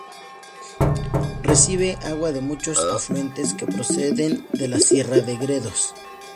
Recibe agua de muchos afluentes que proceden de la sierra de Gredos.